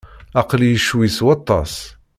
Aql-iyi ccwi s waṭas.